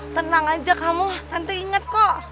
tenang aja kamu tante inget kok